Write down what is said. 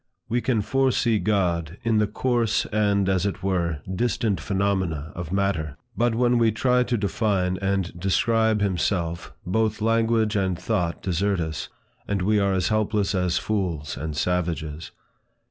We can foresee God in the coarse, and, as it were, distant phenomena of matter; but when we try to define and describe himself, both language and thought desert us, and we are as helpless as fools and savages.